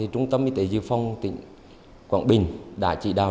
trung tâm y tế dự phòng tỉnh quảng bình đã chỉ đạo